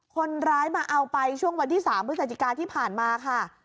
คนร้ายมาเอาไปช่วงวันที่๓พฤศจิกาที่ผ่านมาค่ะ